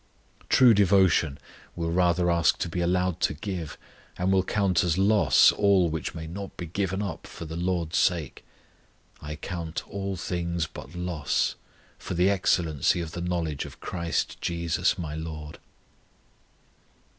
True devotion will rather ask to be allowed to give, and will count as loss all which may not be given up for the LORD'S sake "I count all things but loss, for the excellency of the knowledge of CHRIST JESUS my LORD."